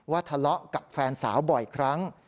ทะเลาะกับแฟนสาวบ่อยครั้ง